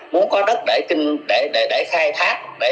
muốn có đất để khai thác